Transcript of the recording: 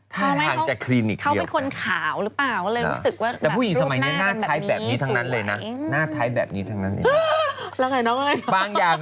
ทางจากคลีนอีกเรียบกัน